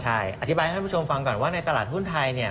ใช่อธิบายให้คุณผู้ชมฟังก่อนว่าในตลาดหุ้นไทย